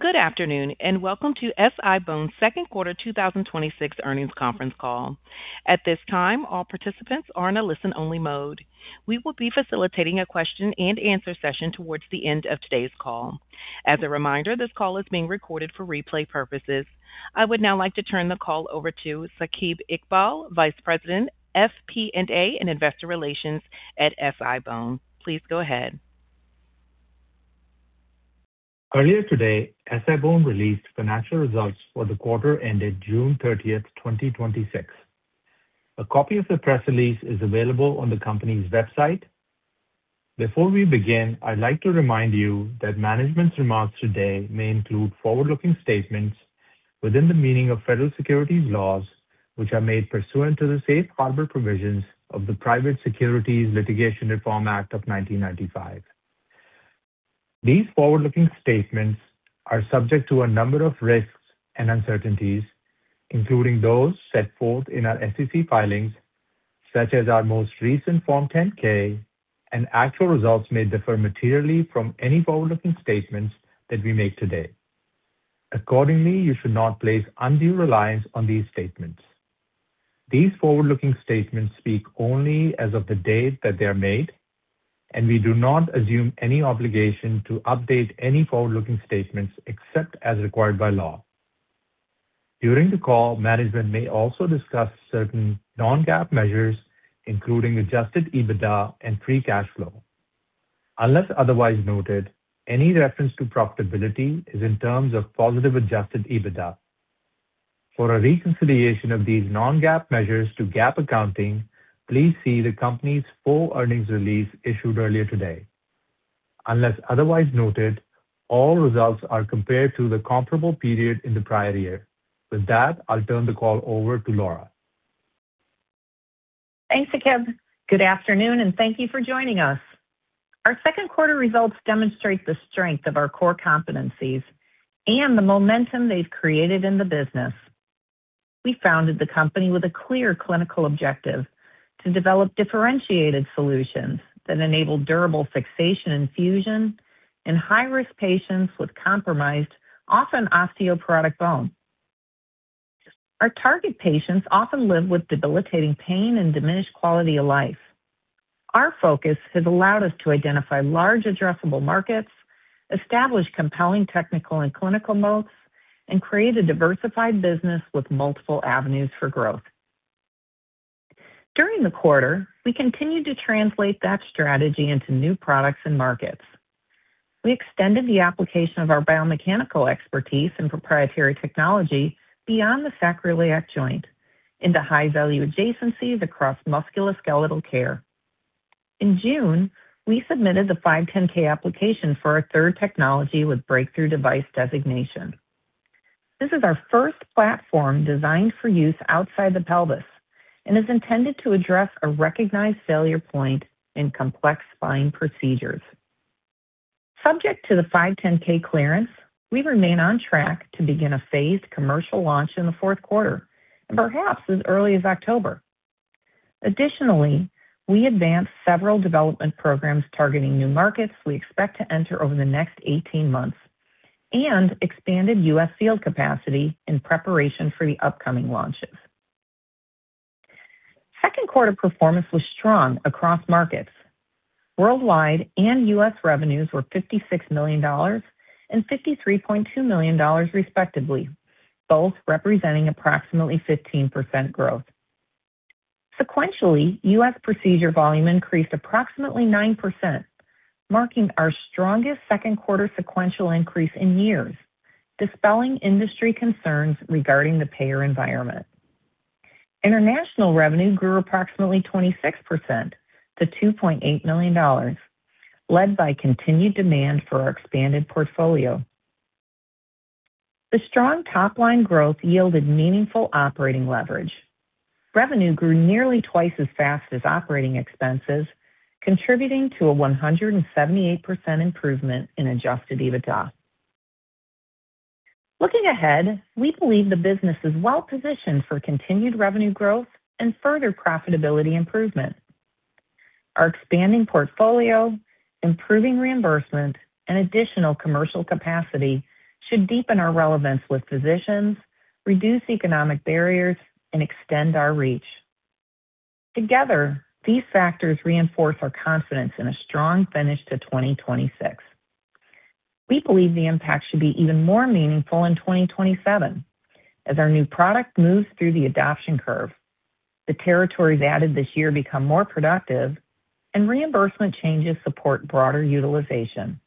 Good afternoon, and welcome to SI-BONE's second quarter 2026 earnings conference call. At this time, all participants are in a listen-only mode. We will be facilitating a question and answer session towards the end of today's call. As a reminder, this call is being recorded for replay purposes. I would now like to turn the call over to Saqib Iqbal, Vice President, FP&A and Investor Relations at SI-BONE. Please go ahead. Earlier today, SI-BONE released financial results for the quarter ended June 30th, 2026. A copy of the press release is available on the company's website. Before we begin, I'd like to remind you that management's remarks today may include forward-looking statements within the meaning of federal securities laws, which are made pursuant to the safe harbor provisions of the Private Securities Litigation Reform Act of 1995. These forward-looking statements are subject to a number of risks and uncertainties, including those set forth in our SEC filings, such as our most recent Form 10-K, and actual results may differ materially from any forward-looking statements that we make today. Accordingly, you should not place undue reliance on these statements. These forward-looking statements speak only as of the date that they are made, and we do not assume any obligation to update any forward-looking statements except as required by law. During the call, management may also discuss certain non-GAAP measures, including adjusted EBITDA and free cash flow. Unless otherwise noted, any reference to profitability is in terms of positive adjusted EBITDA. For a reconciliation of these non-GAAP measures to GAAP accounting, please see the company's full earnings release issued earlier today. Unless otherwise noted, all results are compared to the comparable period in the prior year. With that, I'll turn the call over to Laura. Thanks, Saqib. Good afternoon, and thank you for joining us. Our second quarter results demonstrate the strength of our core competencies and the momentum they've created in the business. We founded the company with a clear clinical objective to develop differentiated solutions that enable durable fixation and fusion in high-risk patients with compromised, often osteoporotic bone. Our target patients often live with debilitating pain and diminished quality of life. Our focus has allowed us to identify large addressable markets, establish compelling technical and clinical moats, and create a diversified business with multiple avenues for growth. During the quarter, we continued to translate that strategy into new products and markets. We extended the application of our biomechanical expertise and proprietary technology beyond the sacroiliac joint into high-value adjacencies across musculoskeletal care. In June, we submitted the 510(k) application for our third technology with breakthrough device designation. This is our first platform designed for use outside the pelvis and is intended to address a recognized failure point in complex spine procedures. Subject to the 510(k) clearance, we remain on track to begin a phased commercial launch in the fourth quarter, and perhaps as early as October. Additionally, we advanced several development programs targeting new markets we expect to enter over the next 18 months and expanded U.S. field capacity in preparation for the upcoming launches. Second quarter performance was strong across markets. Worldwide and U.S. revenues were $56 million and $53.2 million respectively, both representing approximately 15% growth. Sequentially, U.S. procedure volume increased approximately 9%, marking our strongest second quarter sequential increase in years, dispelling industry concerns regarding the payer environment. International revenue grew approximately 26% to $2.8 million, led by continued demand for our expanded portfolio. The strong top-line growth yielded meaningful operating leverage. Revenue grew nearly twice as fast as operating expenses, contributing to a 178% improvement in adjusted EBITDA. Looking ahead, we believe the business is well positioned for continued revenue growth and further profitability improvement. Our expanding portfolio, improving reimbursement, and additional commercial capacity should deepen our relevance with physicians, reduce economic barriers, and extend our reach. Together, these factors reinforce our confidence in a strong finish to 2026. We believe the impact should be even more meaningful in 2027 as our new product moves through the adoption curve, the territories added this year become more productive, and reimbursement changes support broader utilization.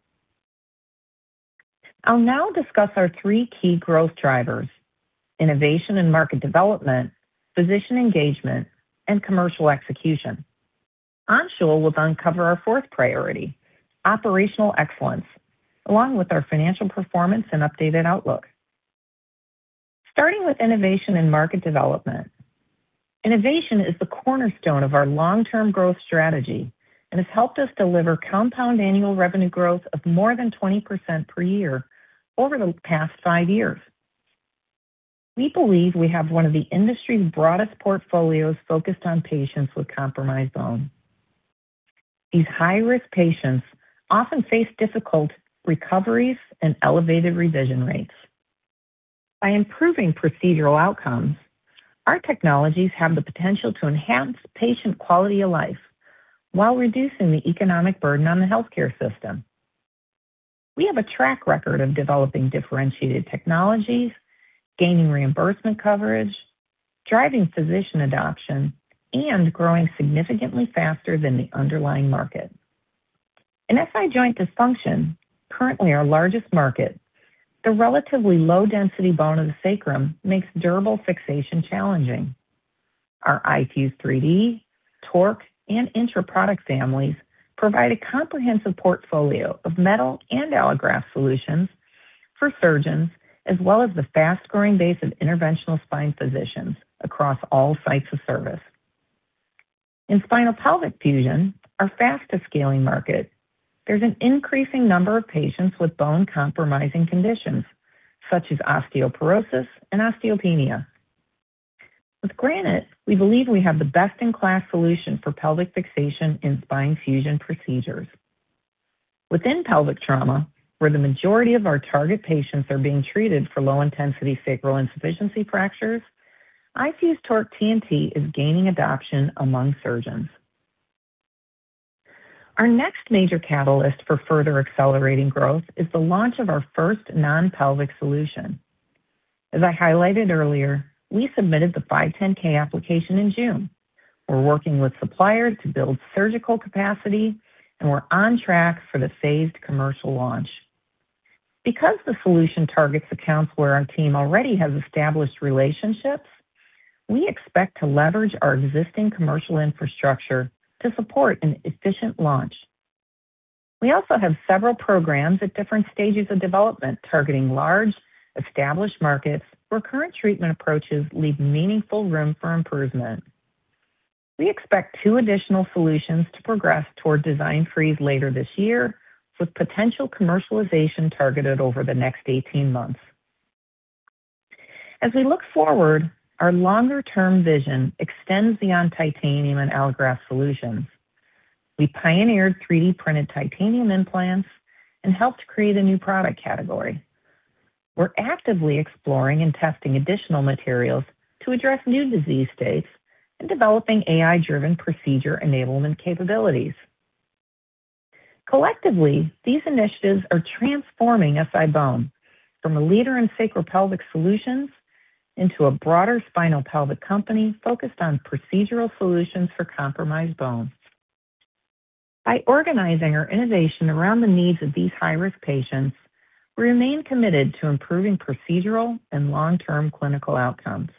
I will now discuss our three key growth drivers: innovation and market development, physician engagement, and commercial execution. Anshul will then cover our fourth priority, operational excellence, along with our financial performance and updated outlook. Starting with innovation and market development. Innovation is the cornerstone of our long-term growth strategy and has helped us deliver compound annual revenue growth of more than 20% per year over the past five years. We believe we have one of the industry's broadest portfolios focused on patients with compromised bone. These high-risk patients often face difficult recoveries and elevated revision rates. By improving procedural outcomes, our technologies have the potential to enhance patient quality of life while reducing the economic burden on the healthcare system. We have a track record of developing differentiated technologies, gaining reimbursement coverage, driving physician adoption, and growing significantly faster than the underlying market. In SI joint dysfunction, currently our largest market, the relatively low-density bone of the sacrum makes durable fixation challenging. Our iFuse 3D, TORQ, and INTRA product families provide a comprehensive portfolio of metal and allograft solutions for surgeons, as well as the fast-growing base of interventional spine physicians across all sites of service. In spinal pelvic fusion, our fastest-scaling market, there is an increasing number of patients with bone-compromising conditions such as osteoporosis and osteopenia. With Granite, we believe we have the best-in-class solution for pelvic fixation in spine fusion procedures. Within pelvic trauma, where the majority of our target patients are being treated for low-intensity sacral insufficiency fractures, iFuse TORQ TNT is gaining adoption among surgeons. Our next major catalyst for further accelerating growth is the launch of our first non-pelvic solution. As I highlighted earlier, we submitted the 510(k) application in June. We are working with suppliers to build surgical capacity, and we are on track for the phased commercial launch. Because the solution targets accounts where our team already has established relationships, we expect to leverage our existing commercial infrastructure to support an efficient launch. We also have several programs at different stages of development targeting large, established markets where current treatment approaches leave meaningful room for improvement. We expect two additional solutions to progress toward design freeze later this year, with potential commercialization targeted over the next 18 months. As we look forward, our longer-term vision extends beyond titanium and allograft solutions. We pioneered 3D-printed titanium implants and helped create a new product category. We're actively exploring and testing additional materials to address new disease states and developing AI-driven procedure enablement capabilities. Collectively, these initiatives are transforming SI-BONE from a leader in sacral pelvic solutions into a broader spinal pelvic company focused on procedural solutions for compromised bone. By organizing our innovation around the needs of these high-risk patients, we remain committed to improving procedural and long-term clinical outcomes.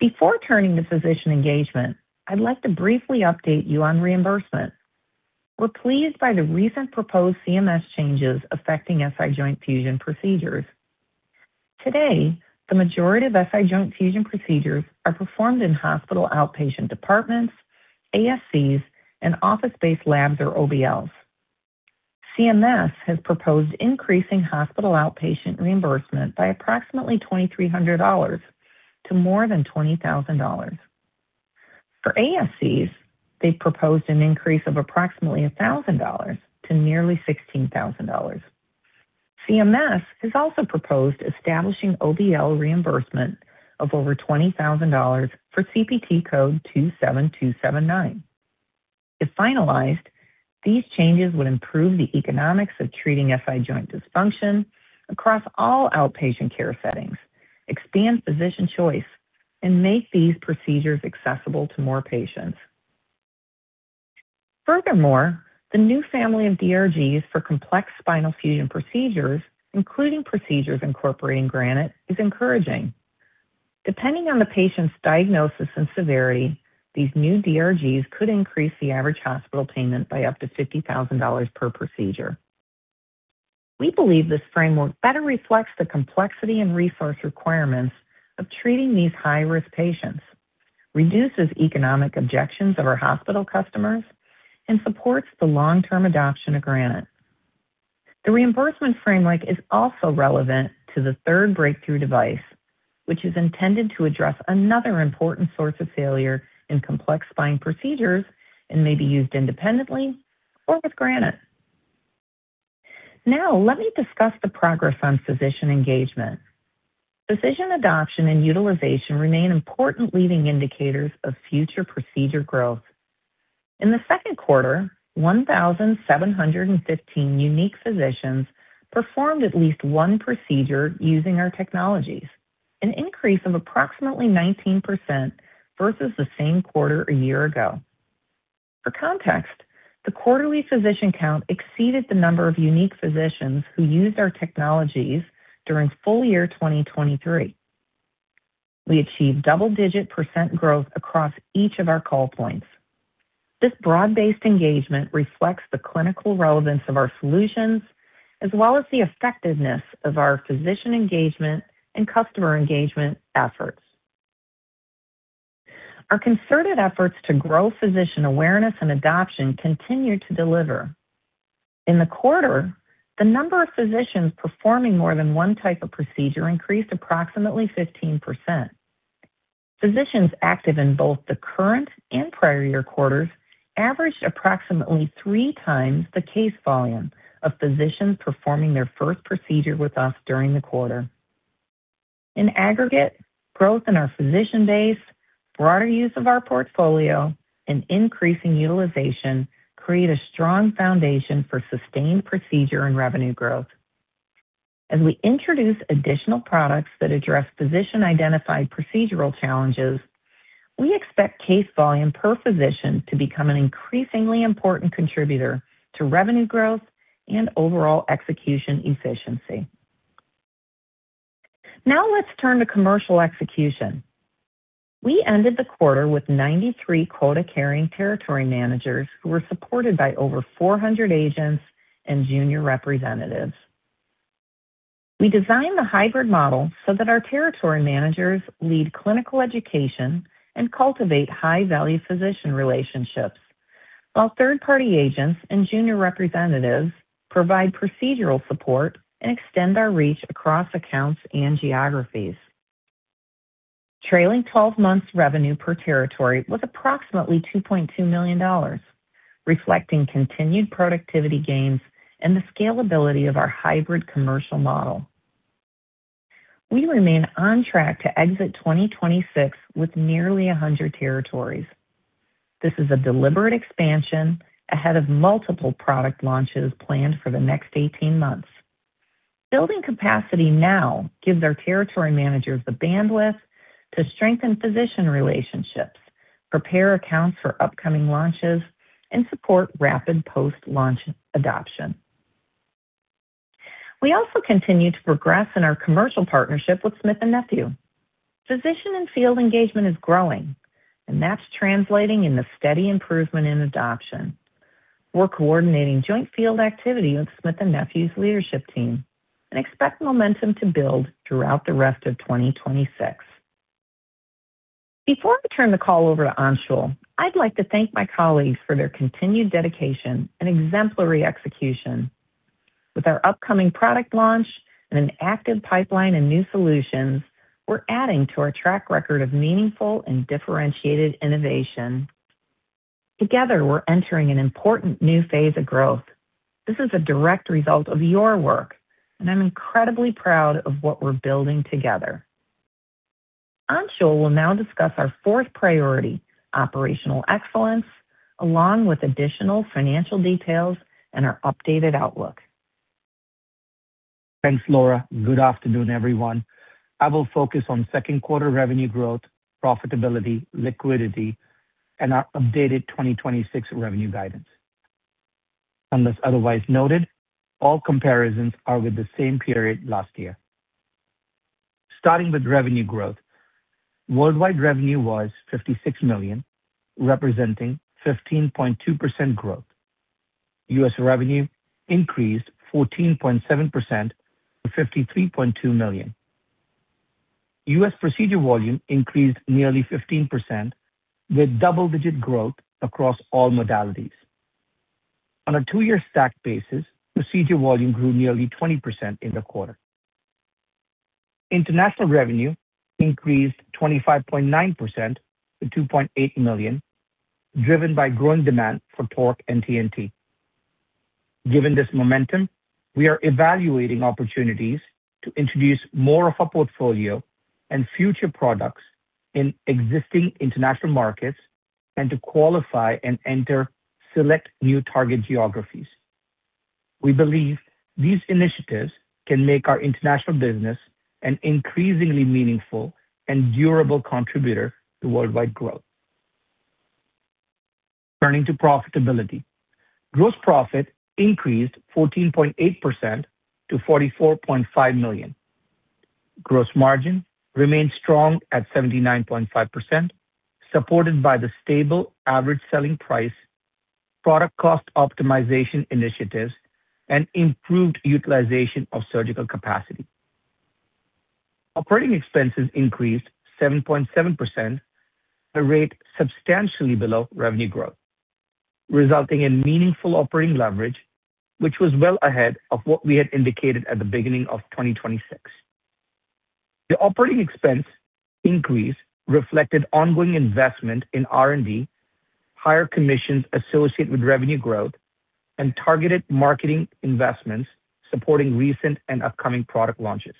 Before turning to physician engagement, I'd like to briefly update you on reimbursement. We're pleased by the recent proposed CMS changes affecting SI joint fusion procedures. Today, the majority of SI joint fusion procedures are performed in hospital outpatient departments, ASCs, and office-based labs or OBLs. CMS has proposed increasing hospital outpatient reimbursement by approximately $2,300 to more than $20,000. For ASCs, they've proposed an increase of approximately $1,000 to nearly $16,000. CMS has also proposed establishing OBL reimbursement of over $20,000 for CPT code 27279. If finalized, these changes would improve the economics of treating SI joint dysfunction across all outpatient care settings, expand physician choice, and make these procedures accessible to more patients. The new family of DRGs for complex spinal fusion procedures, including procedures incorporating Granite, is encouraging. Depending on the patient's diagnosis and severity, these new DRGs could increase the average hospital payment by up to $50,000 per procedure. We believe this framework better reflects the complexity and resource requirements of treating these high-risk patients, reduces economic objections of our hospital customers, and supports the long-term adoption of Granite. The reimbursement framework is also relevant to the third breakthrough device, which is intended to address another important source of failure in complex spine procedures and may be used independently or with Granite. Let me discuss the progress on physician engagement. Physician adoption and utilization remain important leading indicators of future procedure growth. In the second quarter, 1,715 unique physicians performed at least one procedure using our technologies, an increase of approximately 19% versus the same quarter a year ago. For context, the quarterly physician count exceeded the number of unique physicians who used our technologies during full year 2023. We achieved double-digit percent growth across each of our call points. This broad-based engagement reflects the clinical relevance of our solutions as well as the effectiveness of our physician engagement and customer engagement efforts. Our concerted efforts to grow physician awareness and adoption continue to deliver. In the quarter, the number of physicians performing more than one type of procedure increased approximately 15%. Physicians active in both the current and prior year quarters averaged approximately three times the case volume of physicians performing their first procedure with us during the quarter. In aggregate, growth in our physician base, broader use of our portfolio, and increasing utilization create a strong foundation for sustained procedure and revenue growth. As we introduce additional products that address physician-identified procedural challenges, we expect case volume per physician to become an increasingly important contributor to revenue growth and overall execution efficiency. Let's turn to commercial execution. We ended the quarter with 93 quota-carrying territory managers who were supported by over 400 agents and junior representatives. We designed the hybrid model so that our territory managers lead clinical education and cultivate high-value physician relationships, while third-party agents and junior representatives provide procedural support and extend our reach across accounts and geographies. Trailing 12 months revenue per territory was approximately $2.2 million, reflecting continued productivity gains and the scalability of our hybrid commercial model. We remain on track to exit 2026 with nearly 100 territories. This is a deliberate expansion ahead of multiple product launches planned for the next 18 months. Building capacity now gives our territory managers the bandwidth to strengthen physician relationships, prepare accounts for upcoming launches, and support rapid post-launch adoption. We also continue to progress in our commercial partnership with Smith+Nephew. Physician and field engagement is growing, and that's translating into steady improvement in adoption. We're coordinating joint field activity with Smith+Nephew's leadership team and expect momentum to build throughout the rest of 2026. Before I turn the call over to Anshul, I'd like to thank my colleagues for their continued dedication and exemplary execution. With our upcoming product launch and an active pipeline and new solutions, we're adding to our track record of meaningful and differentiated innovation. Together, we're entering an important new phase of growth. This is a direct result of your work, and I'm incredibly proud of what we're building together. Anshul will now discuss our fourth priority, operational excellence, along with additional financial details and our updated outlook. Thanks, Laura. Good afternoon, everyone. I will focus on second quarter revenue growth, profitability, liquidity, and our updated 2026 revenue guidance. Unless otherwise noted, all comparisons are with the same period last year. Starting with revenue growth. Worldwide revenue was $56 million, representing 15.2% growth. U.S. revenue increased 14.7% to $53.2 million. U.S. procedure volume increased nearly 15%, with double-digit growth across all modalities. On a two-year stacked basis, procedure volume grew nearly 20% in the quarter. International revenue increased 25.9% to $2.8 million, driven by growing demand for TORQ and TNT. Given this momentum, we are evaluating opportunities to introduce more of our portfolio and future products in existing international markets and to qualify and enter select new target geographies. We believe these initiatives can make our international business an increasingly meaningful and durable contributor to worldwide growth. Turning to profitability. Gross profit increased 14.8% to $44.5 million. Gross margin remained strong at 79.5%, supported by the stable average selling price, product cost optimization initiatives, and improved utilization of surgical capacity. Operating expenses increased 7.7%, a rate substantially below revenue growth, resulting in meaningful operating leverage, which was well ahead of what we had indicated at the beginning of 2026. The operating expense increase reflected ongoing investment in R&D, higher commissions associated with revenue growth, and targeted marketing investments supporting recent and upcoming product launches.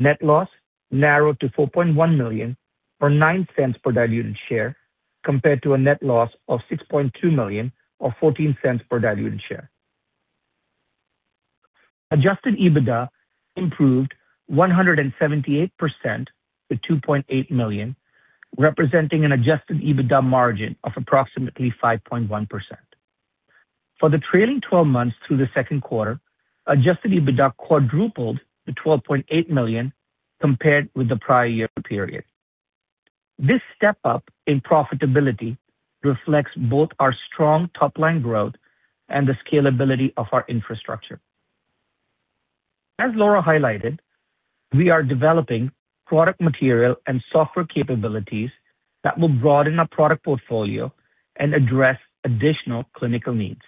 Net loss narrowed to $4.1 million or $0.09 per diluted share, compared to a net loss of $6.2 million or $0.14 per diluted share. Adjusted EBITDA improved 178% to $2.8 million, representing an adjusted EBITDA margin of approximately 5.1%. For the trailing 12 months through the second quarter, adjusted EBITDA quadrupled to $12.8 million compared with the prior year period. This step-up in profitability reflects both our strong top-line growth and the scalability of our infrastructure. As Laura highlighted, we are developing product material and software capabilities that will broaden our product portfolio and address additional clinical needs.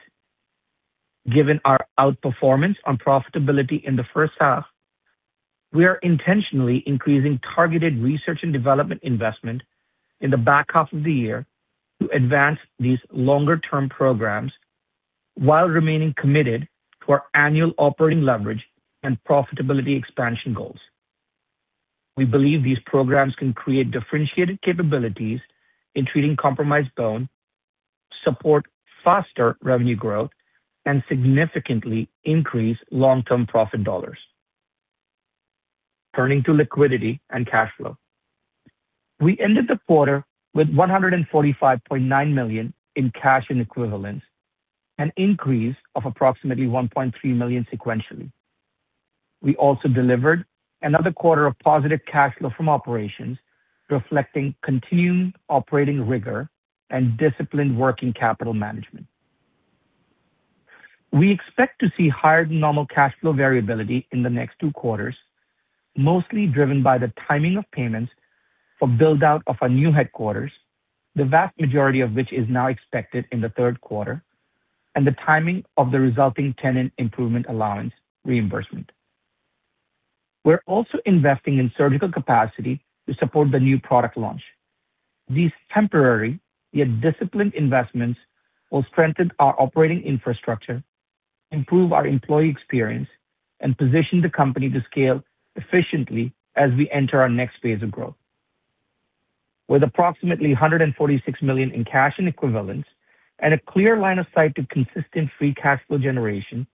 Given our outperformance on profitability in the first half, we are intentionally increasing targeted research and development investment in the back half of the year to advance these longer-term programs while remaining committed to our annual operating leverage and profitability expansion goals. We believe these programs can create differentiated capabilities in treating compromised bone, support faster revenue growth, and significantly increase long-term profit dollars. Turning to liquidity and cash flow. We ended the quarter with $145.9 million in cash and equivalents, an increase of approximately $1.3 million sequentially. We also delivered another quarter of positive cash flow from operations, reflecting continued operating rigor and disciplined working capital management. We expect to see higher than normal cash flow variability in the next two quarters, mostly driven by the timing of payments for build-out of our new headquarters, the vast majority of which is now expected in the third quarter, and the timing of the resulting tenant improvement allowance reimbursement. We're also investing in surgical capacity to support the new product launch. These temporary, yet disciplined investments will strengthen our operating infrastructure, improve our employee experience, and position the company to scale efficiently as we enter our next phase of growth. With approximately $146 million in cash and equivalents and a clear line of sight to consistent free cash flow generation,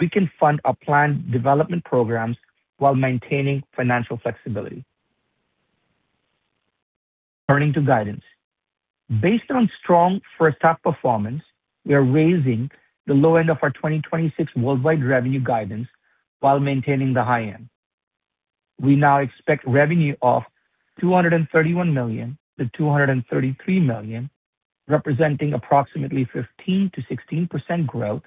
we can fund our planned development programs while maintaining financial flexibility. Turning to guidance. Based on strong first half performance, we are raising the low end of our 2026 worldwide revenue guidance while maintaining the high end. We now expect revenue of $231 million-$233 million, representing approximately 15%-16% growth.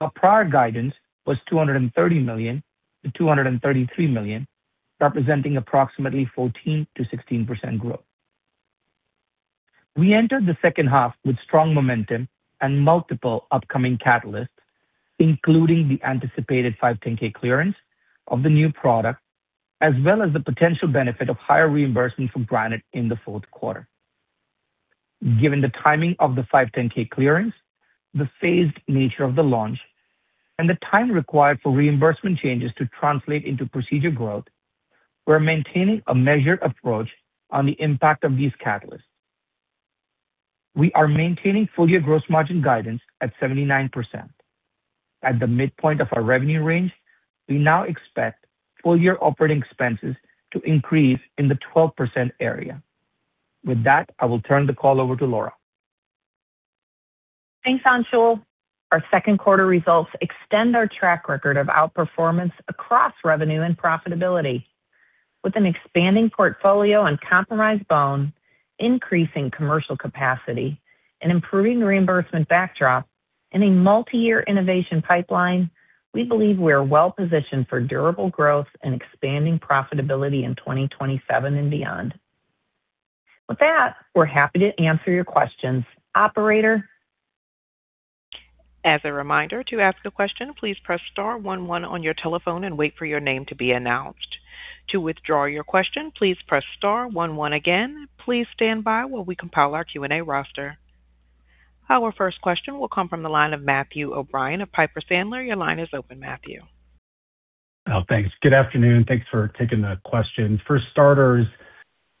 Our prior guidance was $230 million-$233 million, representing approximately 14%-16% growth. We entered the second half with strong momentum and multiple upcoming catalysts, including the anticipated 510(k) clearance of the new product, as well as the potential benefit of higher reimbursement from Granite in the fourth quarter. Given the timing of the 510(k) clearance, the phased nature of the launch, and the time required for reimbursement changes to translate into procedure growth, we're maintaining a measured approach on the impact of these catalysts. We are maintaining full-year gross margin guidance at 79%. At the midpoint of our revenue range, we now expect full-year operating expenses to increase in the 12% area. With that, I will turn the call over to Laura. Thanks, Anshul. Our second quarter results extend our track record of outperformance across revenue and profitability. With an expanding portfolio on compromised bone, increasing commercial capacity, an improving reimbursement backdrop, and a multi-year innovation pipeline, we believe we are well positioned for durable growth and expanding profitability in 2027 and beyond. With that, we're happy to answer your questions. Operator? As a reminder, to ask a question, please press star one one on your telephone and wait for your name to be announced. To withdraw your question, please press star one one again. Please stand by while we compile our Q&A roster. Our first question will come from the line of Matthew O'Brien of Piper Sandler. Your line is open, Matthew. Thanks. Good afternoon. Thanks for taking the question. For starters,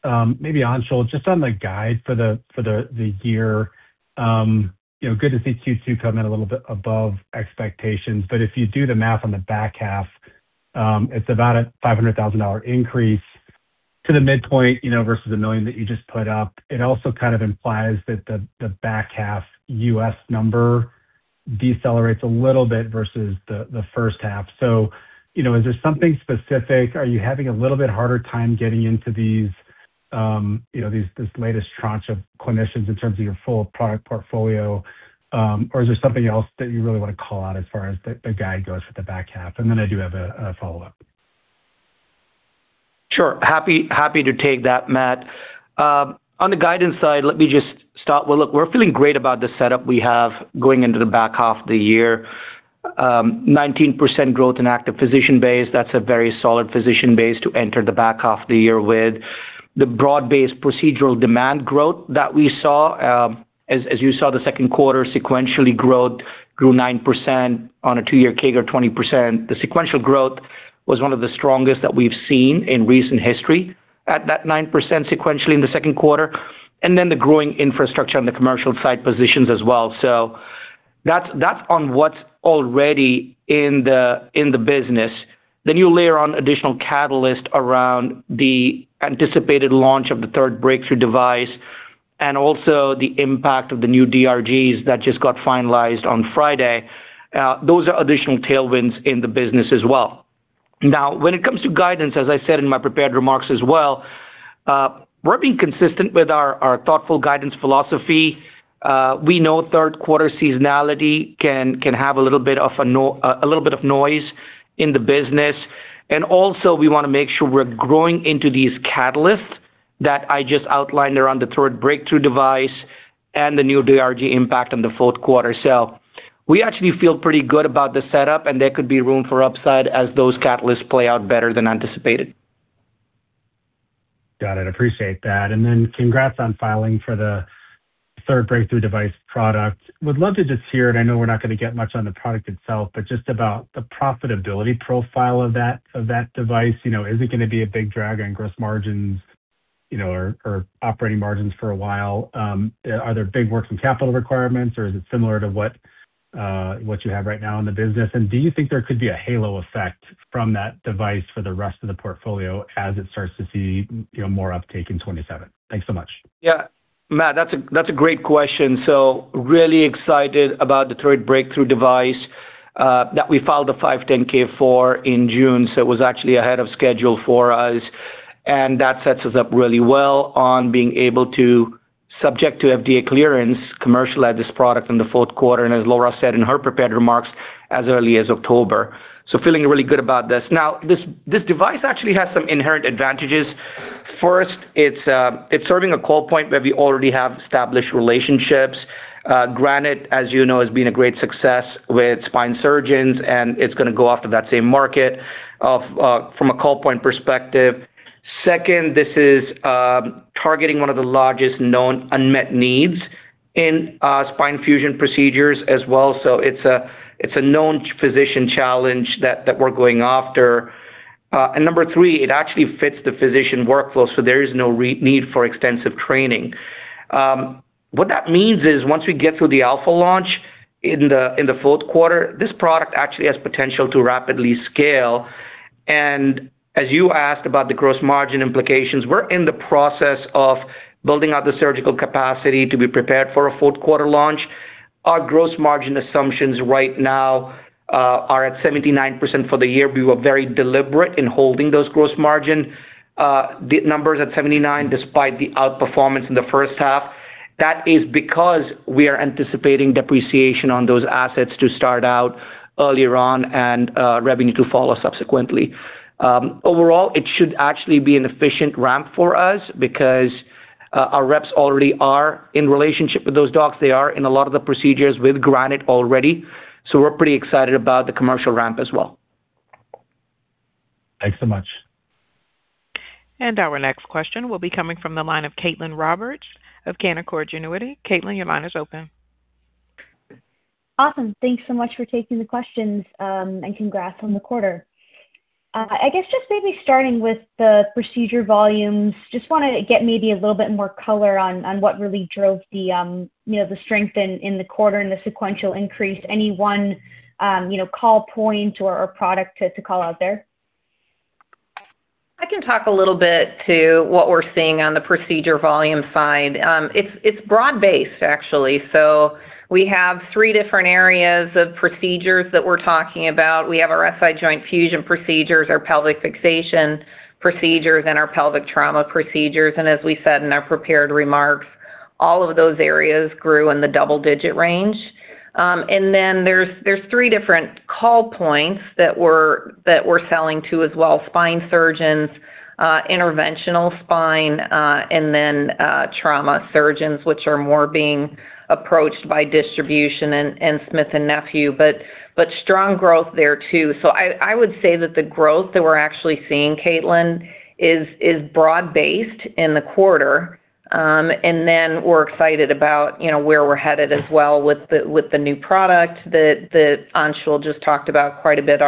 Anshul, just on the guide for the year. Good to see Q2 come in a little bit above expectations. If you do the math on the back half, it's about a $500,000 increase to the midpoint, versus a $1 million that you just put up. It also kind of implies that the back half U.S. number decelerates a little bit versus the first half. Is there something specific? Are you having a little bit harder time getting into this latest tranche of clinicians in terms of your full product portfolio? Or is there something else that you really want to call out as far as the guide goes for the back half? I do have a follow-up. Sure. Happy to take that, Matt. On the guidance side, let me just start with, we're feeling great about the setup we have going into the back half of the year. 19% growth in active physician base, that's a very solid physician base to enter the back half of the year with. The broad-based procedural demand growth that we saw, as you saw the second quarter sequentially growth grew 9% on a two-year CAGR 20%. The sequential growth was one of the strongest that we've seen in recent history at that 9% sequentially in the second quarter. The growing infrastructure on the commercial side positions as well. That's on what's already in the business. You layer on additional catalyst around the anticipated launch of the third breakthrough device and also the impact of the new DRGs that just got finalized on Friday. Those are additional tailwinds in the business as well. When it comes to guidance, as I said in my prepared remarks as well, we're being consistent with our thoughtful guidance philosophy. We know third quarter seasonality can have a little bit of noise in the business, and also we want to make sure we're growing into these catalysts that I just outlined around the third breakthrough device and the new DRG impact on the fourth quarter. We actually feel pretty good about the setup, and there could be room for upside as those catalysts play out better than anticipated. Got it. Appreciate that. Then congrats on filing for the third breakthrough device product. Would love to just hear, and I know we're not going to get much on the product itself, but just about the profitability profile of that device. Is it going to be a big drag on gross margins or operating margins for a while? Are there big working capital requirements, or is it similar to what you have right now in the business? Do you think there could be a halo effect from that device for the rest of the portfolio as it starts to see more uptake in 2027? Thanks so much. Yeah, Matt, that's a great question. Really excited about the third breakthrough device that we filed a 510(k) for in June, so it was actually ahead of schedule for us, and that sets us up really well on being able to, subject to FDA clearance, commercialize this product in the fourth quarter, and as Laura said in her prepared remarks, as early as October. Feeling really good about this. This device actually has some inherent advantages. First, it's serving a call point where we already have established relationships. Granite, as you know, has been a great success with spine surgeons, and it's going to go after that same market from a call point perspective. Second, this is targeting one of the largest known unmet needs in spine fusion procedures as well. It's a known physician challenge that we're going after. Number three, it actually fits the physician workflow, so there is no need for extensive training. What that means is, once we get through the alpha launch in the fourth quarter, this product actually has potential to rapidly scale. As you asked about the gross margin implications, we're in the process of building out the surgical capacity to be prepared for a fourth quarter launch. Our gross margin assumptions right now are at 79% for the year. We were very deliberate in holding those gross margin numbers at 79%, despite the outperformance in the first half. That is because we are anticipating depreciation on those assets to start out earlier on and revenue to follow subsequently. Overall, it should actually be an efficient ramp for us because our reps already are in relationship with those docs. They are in a lot of the procedures with Granite already, we're pretty excited about the commercial ramp as well. Thanks so much. Our next question will be coming from the line of Caitlin Roberts of Canaccord Genuity. Caitlin, your line is open. Awesome. Thanks so much for taking the questions, congrats on the quarter. I guess just maybe starting with the procedure volumes, just want to get maybe a little bit more color on what really drove the strength in the quarter and the sequential increase. Any one call point or product to call out there? I can talk a little bit to what we're seeing on the procedure volume side. It's broad-based, actually. We have three different areas of procedures that we're talking about. We have our SI joint fusion procedures, our pelvic fixation procedures, and our pelvic trauma procedures. As we said in our prepared remarks, all of those areas grew in the double-digit range. There's three different call points that we're selling to as well, spine surgeons, interventional spine, and trauma surgeons, which are more being approached by distribution and Smith+Nephew. Strong growth there too. I would say that the growth that we're actually seeing, Caitlin, is broad-based in the quarter, and we're excited about where we're headed as well with the new product that Anshul just talked about quite a bit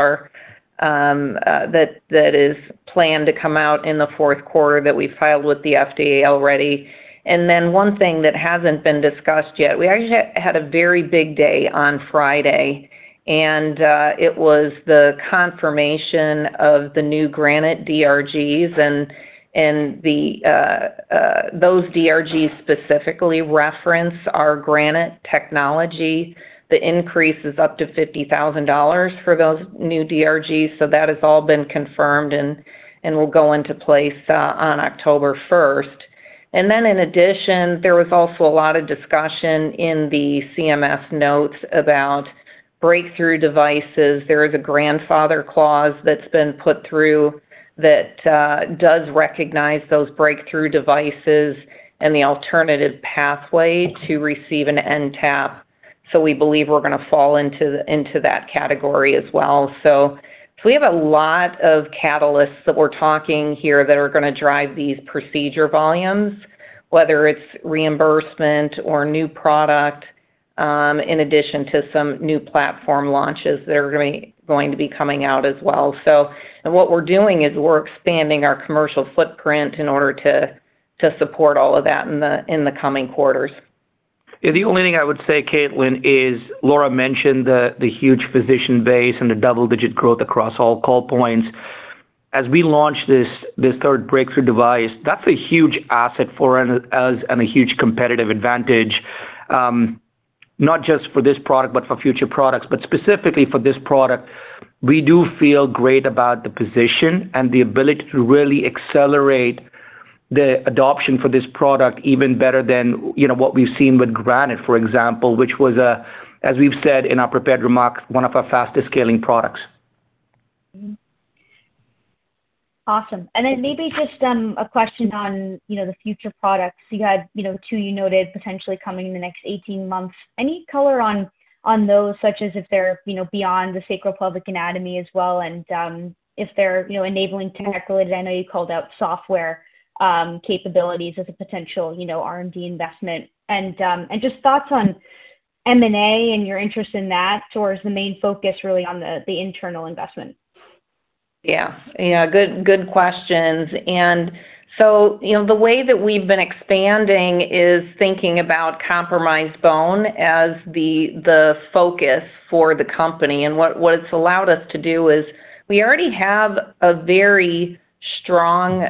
that is planned to come out in the fourth quarter that we filed with the FDA already. One thing that hasn't been discussed yet, we actually had a very big day on Friday, and it was the confirmation of the new Granite DRGs, and those DRGs specifically reference our Granite technology. The increase is up to $50,000 for those new DRGs. That has all been confirmed and will go into place on October 1st. In addition, there was also a lot of discussion in the CMS notes about breakthrough devices. There is a grandfather clause that's been put through that does recognize those breakthrough devices and the alternative pathway to receive an NTAP. We believe we're going to fall into that category as well. We have a lot of catalysts that we're talking here that are going to drive these procedure volumes, whether it's reimbursement or new product, in addition to some new platform launches that are going to be coming out as well. What we're doing is we're expanding our commercial footprint in order to support all of that in the coming quarters. The only thing I would say, Caitlin, is Laura mentioned the huge physician base and the double-digit growth across all call points. As we launch this third breakthrough device, that's a huge asset for us and a huge competitive advantage, not just for this product, but for future products. Specifically for this product, we do feel great about the position and the ability to really accelerate the adoption for this product even better than what we've seen with Granite, for example, which was, as we've said in our prepared remarks, one of our fastest-scaling products. Awesome. Maybe just a question on the future products. You had two you noted potentially coming in the next 18 months. Any color on those, such as if they're beyond the sacropelvic anatomy as well, and if they're enabling technologies? I know you called out software capabilities as a potential R&D investment. Just thoughts on M&A and your interest in that, or is the main focus really on the internal investment? Yeah. Good questions. The way that we've been expanding is thinking about compromised bone as the focus for the company. What it's allowed us to do is we already have a very strong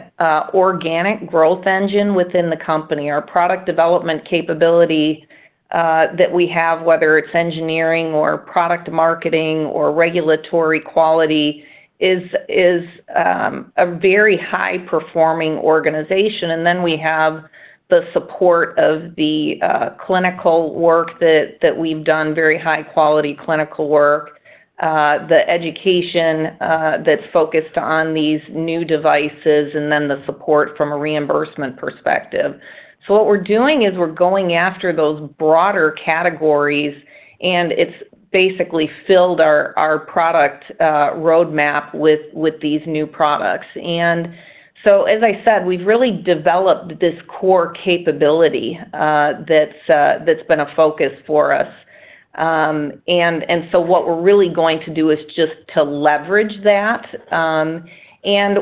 organic growth engine within the company. Our product development capability that we have, whether it's engineering or product marketing or regulatory quality, is a very high-performing organization. Then we have the support of the clinical work that we've done, very high-quality clinical work, the education that's focused on these new devices, and then the support from a reimbursement perspective. What we're doing is we're going after those broader categories, and it's basically filled our product roadmap with these new products. As I said, we've really developed this core capability that's been a focus for us. What we're really going to do is just to leverage that.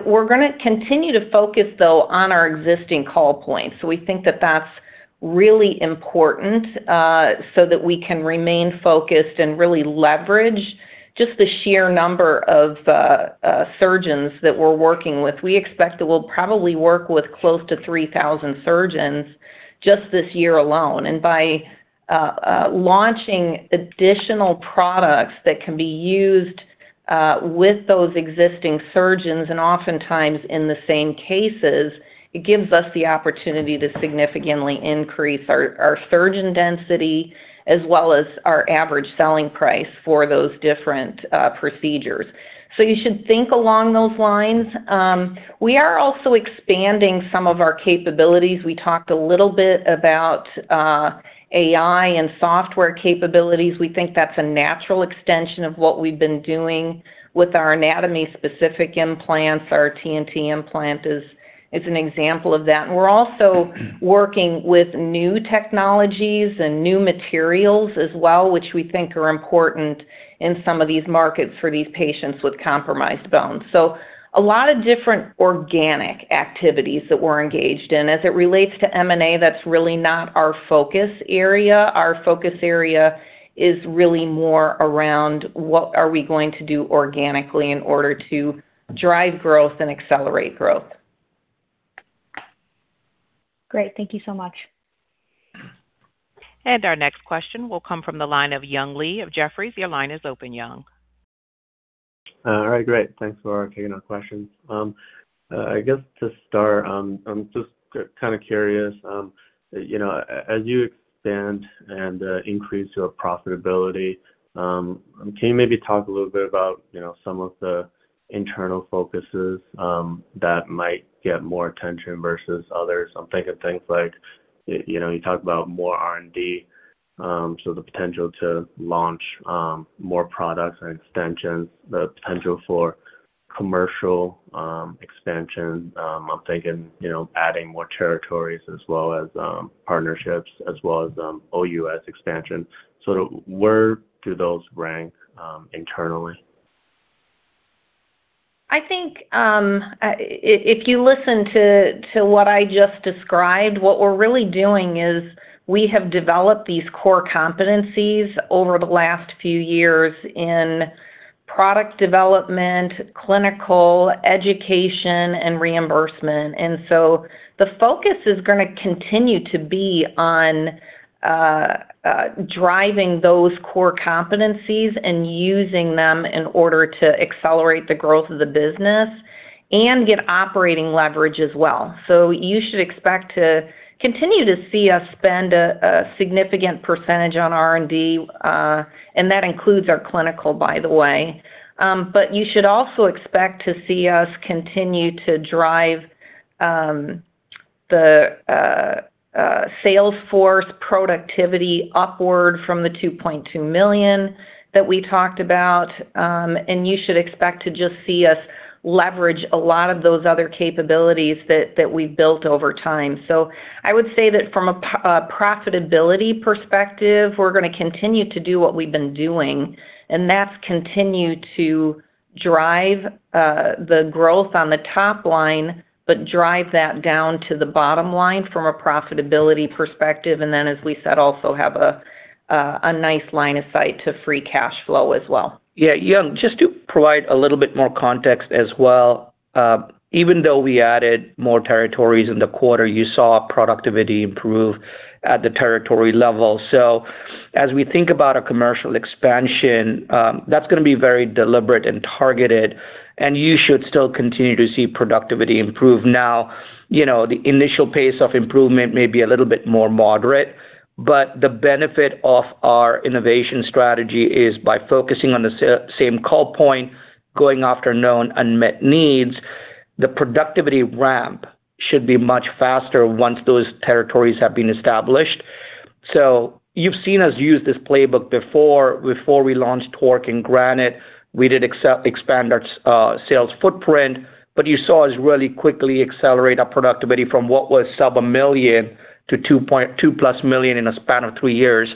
We're going to continue to focus, though, on our existing call points. We think that that's really important, so that we can remain focused and really leverage just the sheer number of surgeons that we're working with. We expect that we'll probably work with close to 3,000 surgeons just this year alone. By launching additional products that can be used with those existing surgeons, and oftentimes in the same cases, it gives us the opportunity to significantly increase our surgeon density as well as our average selling price for those different procedures. You should think along those lines. We are also expanding some of our capabilities. We talked a little bit about AI and software capabilities. We think that's a natural extension of what we've been doing with our anatomy-specific implants. Our TNT implant is an example of that. We're also working with new technologies and new materials as well, which we think are important in some of these markets for these patients with compromised bones. A lot of different organic activities that we're engaged in. As it relates to M&A, that's really not our focus area. Our focus area is really more around what are we going to do organically in order to drive growth and accelerate growth. Great. Thank you so much. Our next question will come from the line of Young Li of Jefferies. Your line is open, Young. All right, great. Thanks for taking our questions. I guess to start, I'm just kind of curious. As you expand and increase your profitability, can you maybe talk a little bit about some of the internal focuses that might get more attention versus others? I'm thinking things like, you talk about more R&D. The potential to launch more products or extensions, the potential for commercial expansion. I'm thinking adding more territories as well as partnerships, as well as OUS expansion. Where do those rank internally? I think if you listen to what I just described, what we're really doing is we have developed these core competencies over the last few years in product development, clinical education, and reimbursement. The focus is going to continue to be on driving those core competencies and using them in order to accelerate the growth of the business and get operating leverage as well. You should expect to continue to see us spend a significant percentage on R&D, and that includes our clinical, by the way. You should also expect to see us continue to drive the sales force productivity upward from the $2.2 million that we talked about, and you should expect to just see us leverage a lot of those other capabilities that we've built over time. I would say that from a profitability perspective, we're going to continue to do what we've been doing, and that's continue to drive the growth on the top line, but drive that down to the bottom line from a profitability perspective, as we said, also have a nice line of sight to free cash flow as well. Yeah. Young, just to provide a little bit more context as well. Even though we added more territories in the quarter, you saw productivity improve at the territory level. As we think about a commercial expansion, that's going to be very deliberate and targeted, and you should still continue to see productivity improve. Now, the initial pace of improvement may be a little bit more moderate, but the benefit of our innovation strategy is by focusing on the same call point, going after known unmet needs, the productivity ramp should be much faster once those territories have been established. You've seen us use this playbook before. Before we launched TORQ and Granite, we did expand our sales footprint, but you saw us really quickly accelerate our productivity from what was sub $1 million to +$2 million in a span of three years.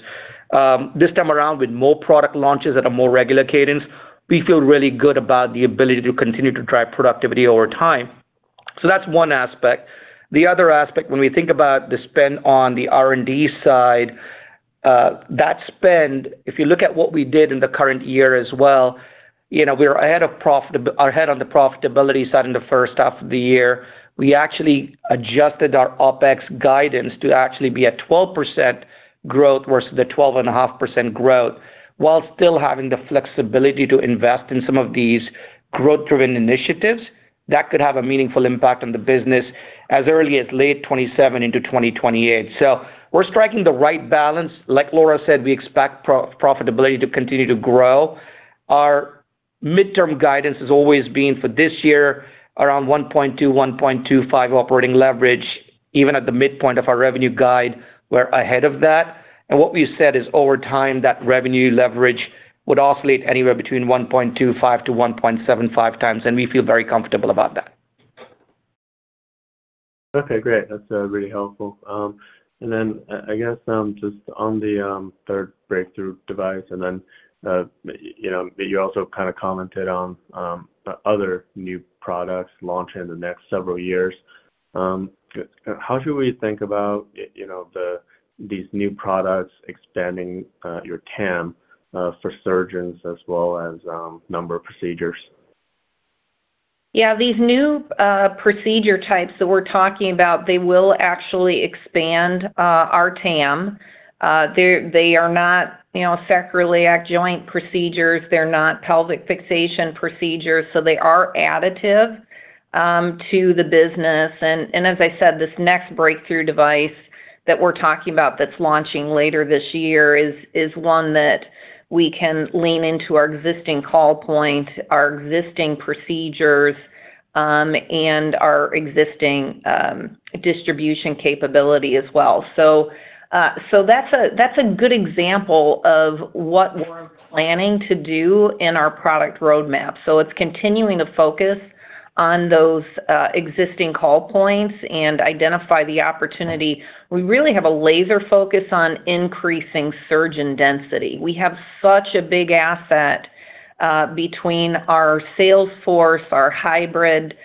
This time around, with more product launches at a more regular cadence, we feel really good about the ability to continue to drive productivity over time. That's one aspect. The other aspect, when we think about the spend on the R&D side, that spend, if you look at what we did in the current year as well, we were ahead on the profitability side in the first half of the year. We actually adjusted our OpEx guidance to actually be at 12% growth versus the 12.5% growth while still having the flexibility to invest in some of these growth-driven initiatives that could have a meaningful impact on the business as early as late 2027 into 2028. We're striking the right balance. Like Laura said, we expect profitability to continue to grow. Our midterm guidance has always been for this year around 1.2x, 1.25x operating leverage. Even at the midpoint of our revenue guide, we're ahead of that. What we've said is over time, that revenue leverage would oscillate anywhere between 1.25x-1.75x, and we feel very comfortable about that. Okay, great. That's really helpful. I guess just on the third breakthrough device that you also commented on other new products launching in the next several years. How should we think about these new products expanding your TAM for surgeons as well as number of procedures? Yeah. These new procedure types that we're talking about, they will actually expand our TAM. They are not sacroiliac joint procedures. They're not pelvic fixation procedures, so they are additive to the business. As I said, this next breakthrough device that we're talking about that's launching later this year is one that we can lean into our existing call point, our existing procedures, and our existing distribution capability as well. That's a good example of what we're planning to do in our product roadmap. It's continuing to focus on those existing call points and identify the opportunity. We really have a laser focus on increasing surgeon density. We have such a big asset between our sales force, our hybrid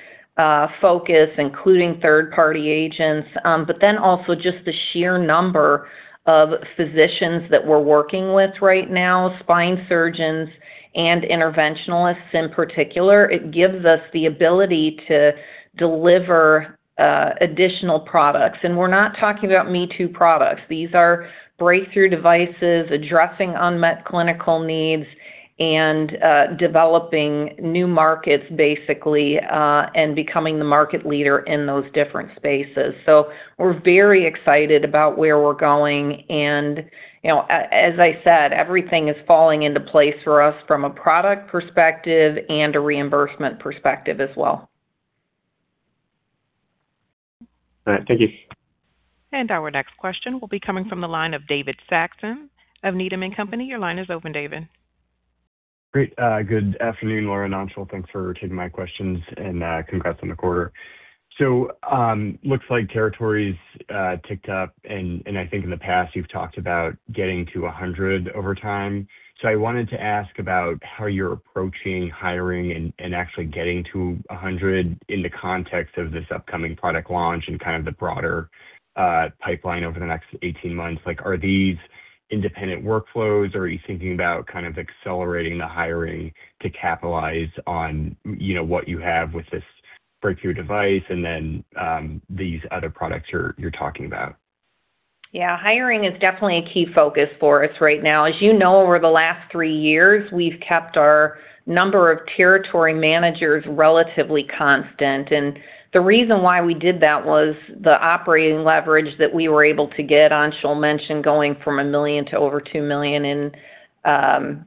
focus, including third-party agents, also just the sheer number of physicians that we're working with right now, spine surgeons and interventionalists in particular. It gives us the ability to deliver additional products. We're not talking about me-too products. These are breakthrough devices addressing unmet clinical needs and developing new markets, basically, and becoming the market leader in those different spaces. We're very excited about where we're going, as I said, everything is falling into place for us from a product perspective and a reimbursement perspective as well. All right. Thank you. Our next question will be coming from the line of David Saxon of Needham & Company. Your line is open, David. Great. Good afternoon, Laura and Anshul. Thanks for taking my questions and congrats on the quarter. Looks like territories ticked up, and I think in the past you've talked about getting to 100 over time. I wanted to ask about how you're approaching hiring and actually getting to 100 in the context of this upcoming product launch and kind of the broader pipeline over the next 18 months. Are these independent workflows? Are you thinking about kind of accelerating the hiring to capitalize on what you have with this breakthrough device and then these other products you're talking about? Hiring is definitely a key focus for us right now. As you know, over the last three years, we've kept our number of territory managers relatively constant. The reason why we did that was the operating leverage that we were able to get. Anshul mentioned going from $1 million to over $2 million in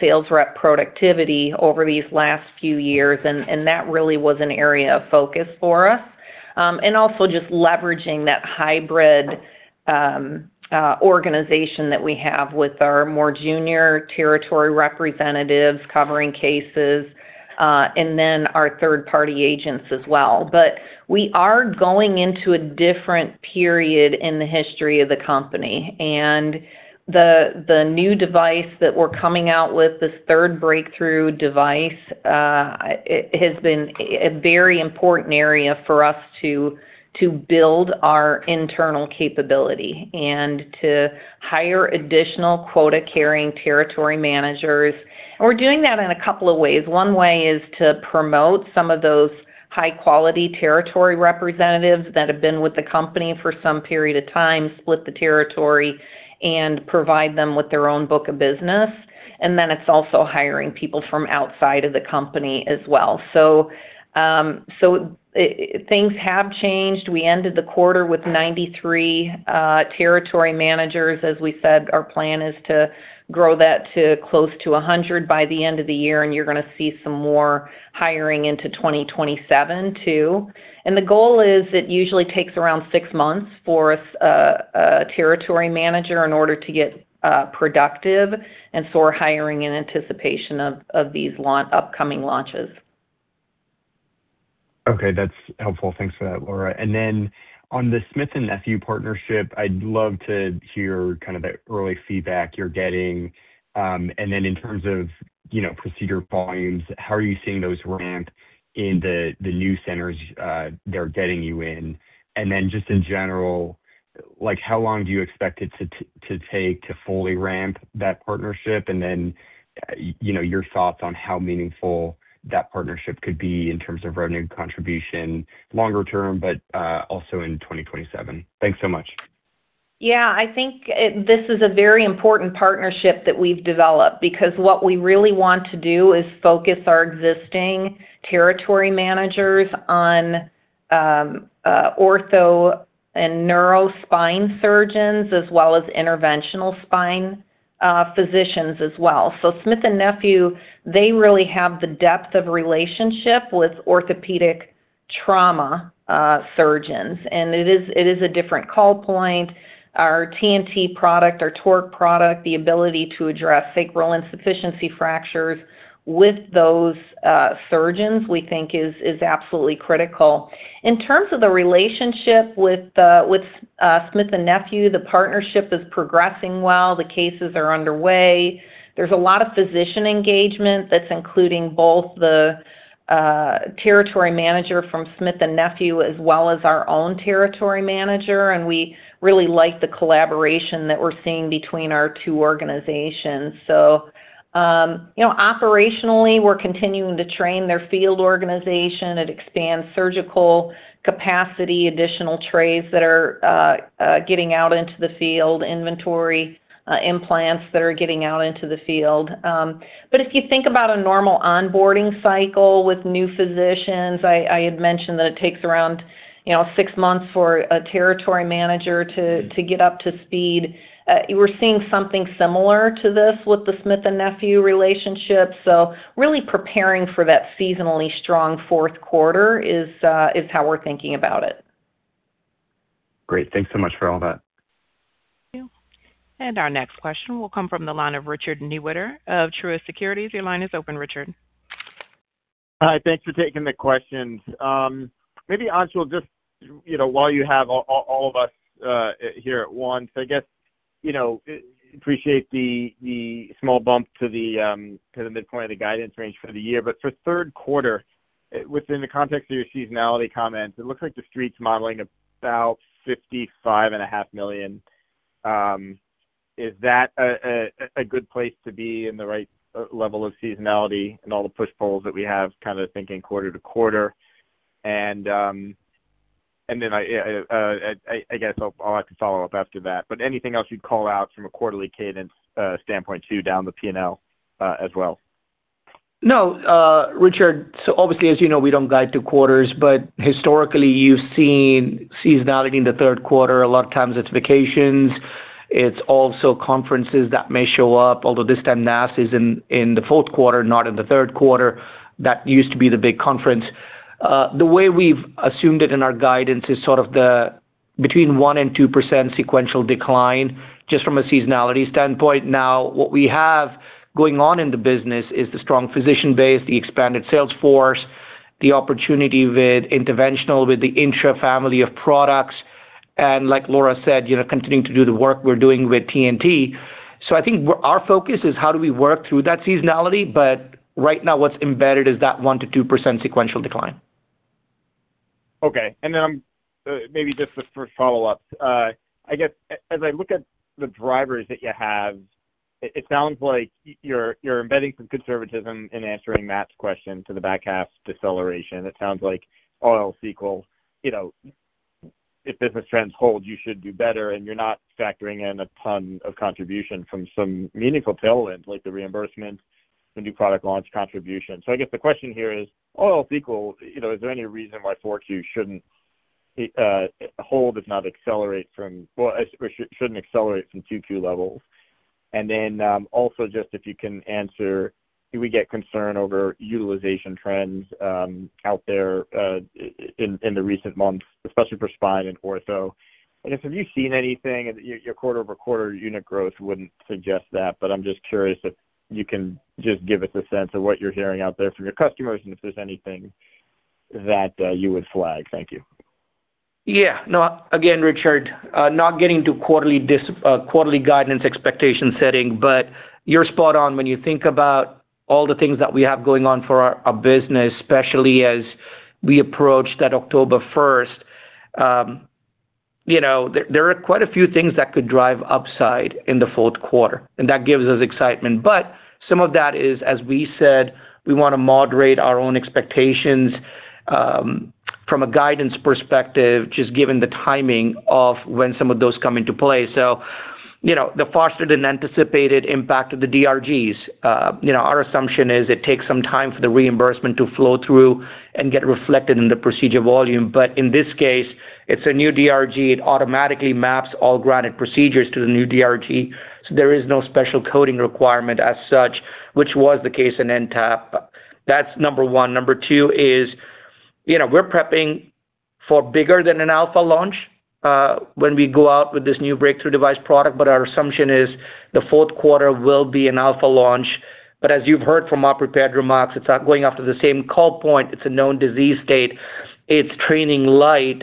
sales rep productivity over these last few years, and that really was an area of focus for us. Also just leveraging that hybrid organization that we have with our more junior territory representatives covering cases, and then our third-party agents as well. We are going into a different period in the history of the company, and the new device that we're coming out with, this third breakthrough device, it has been a very important area for us to build our internal capability and to hire additional quota-carrying territory managers. We're doing that in a couple of ways. One way is to promote some of those high-quality territory representatives that have been with the company for some period of time, split the territory, and provide them with their own book of business. Then it's also hiring people from outside of the company as well. Things have changed. We ended the quarter with 93 territory managers. As we said, our plan is to grow that to close to 100 by the end of the year, and you're going to see some more hiring into 2027, too. The goal is it usually takes around six months for a territory manager in order to get productive. We're hiring in anticipation of these upcoming launches. Okay, that's helpful. Thanks for that, Laura. On the Smith+Nephew partnership, I'd love to hear kind of the early feedback you're getting. In terms of procedure volumes, how are you seeing those ramp in the new centers they're getting you in? Then just in general, how long do you expect it to take to fully ramp that partnership? Then your thoughts on how meaningful that partnership could be in terms of revenue contribution longer term but also in 2027. Thanks so much. I think this is a very important partnership that we've developed because what we really want to do is focus our existing territory managers on ortho and neuro spine surgeons, as well as interventional spine physicians as well. Smith+Nephew, they really have the depth of relationship with orthopedic trauma surgeons. It is a different call point. Our TNT product, our TORQ product, the ability to address sacral insufficiency fractures with those surgeons we think is absolutely critical. In terms of the relationship with Smith+Nephew, the partnership is progressing well. The cases are underway. There's a lot of physician engagement that's including both the territory manager from Smith+Nephew as well as our own territory manager, and we really like the collaboration that we're seeing between our two organizations. Operationally, we're continuing to train their field organization. It expands surgical capacity, additional trays that are getting out into the field, inventory implants that are getting out into the field. If you think about a normal onboarding cycle with new physicians, I had mentioned that it takes around six months for a territory manager to get up to speed. We're seeing something similar to this with the Smith+Nephew relationship, really preparing for that seasonally strong fourth quarter is how we're thinking about it. Great. Thanks so much for all that. Thank you. Our next question will come from the line of Richard Newitter of Truist Securities. Your line is open, Richard. Hi. Thanks for taking the questions. Maybe Anshul, just while you have all of us here at once. I guess I appreciate the small bump to the midpoint of the guidance range for the year. For third quarter, within the context of your seasonality comments, it looks like The Street's modeling about $55.5 million. Is that a good place to be in the right level of seasonality and all the push-pulls that we have kind of thinking quarter to quarter? I guess I'll have to follow up after that. Anything else you'd call out from a quarterly cadence standpoint too, down the P&L as well? No, Richard, so obviously as you know we don't guide to quarters, but historically you've seen seasonality in the third quarter. A lot of times it's vacations. It's also conferences that may show up, although this time NASS is in the fourth quarter, not in the third quarter. That used to be the big conference. The way we've assumed it in our guidance is sort of the between 1% and 2% sequential decline just from a seasonality standpoint. Now, what we have going on in the business is the strong physician base, the expanded sales force, the opportunity with interventional with the INTRA family of products, and like Laura said, continuing to do the work we're doing with TNT. I think our focus is how do we work through that seasonality, but right now what's embedded is that 1%-2% sequential decline. Okay. Then maybe just for follow-up. I guess as I look at the drivers that you have, it sounds like you're embedding some conservatism in answering Matt's question to the back half deceleration. It sounds like all else equal, if business trends hold, you should do better, and you're not factoring in a ton of contribution from some meaningful tailwinds like the reimbursement and new product launch contribution. I guess the question here is, all else equal, is there any reason why 4Q shouldn't hold does not accelerate from, well, shouldn't accelerate from Q2 levels. Also just if you can answer, do we get concern over utilization trends out there in the recent months, especially for spine and ortho? Have you seen anything? Your quarter-over-quarter unit growth wouldn't suggest that, I'm just curious if you can just give us a sense of what you're hearing out there from your customers and if there's anything that you would flag. Thank you. No, again, Richard, not getting to quarterly guidance expectation setting, you're spot on when you think about all the things that we have going on for our business, especially as we approach that October 1st. There are quite a few things that could drive upside in the fourth quarter, that gives us excitement. Some of that is, as we said, we want to moderate our own expectations, from a guidance perspective, just given the timing of when some of those come into play. The faster than anticipated impact of the DRGs. Our assumption is it takes some time for the reimbursement to flow through and get reflected in the procedure volume. In this case, it's a new DRG. It automatically maps all Granite procedures to the new DRG. There is no special coding requirement as such, which was the case in NTAP. That's number one. Number two is, we're prepping for bigger than an alpha launch, when we go out with this new breakthrough device product. Our assumption is the fourth quarter will be an alpha launch. As you've heard from our prepared remarks, it's not going after the same call point. It's a known disease state. It's training light.